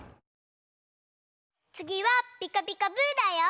つぎは「ピカピカブ！」だよ。